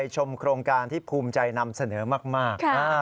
ชมโครงการที่ภูมิใจนำเสนอมาก